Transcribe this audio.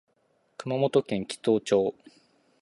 熊本県嘉島町